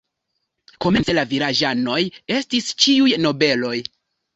Komence la vilaĝanoj estis ĉiuj nobeloj.